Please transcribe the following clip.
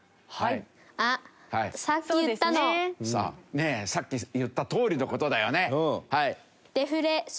さっき言ったとおりの事だよね。